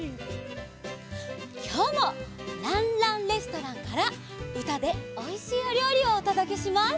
きょうも「ランランレストラン」からうたでおいしいおりょうりをおとどけします。